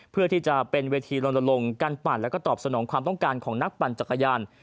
เพื่อที่จะเป็นเวทีลนลงการปั่นแล้วก็ตอบสนองความต้องการของนักปั่นจักรยาน